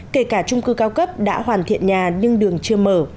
kể cả trung cư cao cấp đã hoàn thiện nhà nhưng đường chưa mở